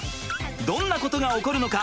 どんなことが起こるのか？